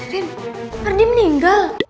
rin ardi meninggal